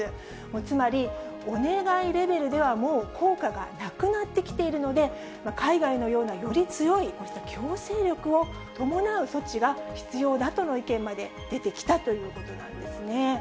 つまり、お願いレベルではもう効果がなくなってきているので、海外のような、より強い、こうした強制力を伴う措置が必要だとの意見まで出てきたということなんですね。